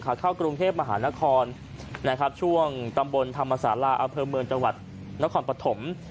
เข้ากรุงเทพมหานครนะครับช่วงตำบลธรรมศาลาอำเภอเมืองจังหวัดนครปฐม